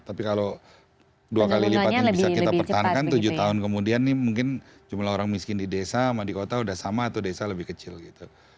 tapi kalau dua kali lipat ini bisa kita pertahankan tujuh tahun kemudian ini mungkin jumlah orang miskin di desa sama di kota sudah sama atau desa lebih kecil gitu